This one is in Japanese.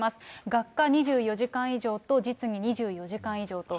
学科２４時間以上と実技２４時間以上と。